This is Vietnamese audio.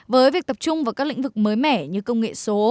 với việc tập trung vào các lĩnh vực mới mẻ như công nghệ số